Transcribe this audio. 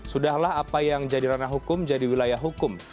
sudahlah apa yang jadi ranah hukum jadi wilayah hukum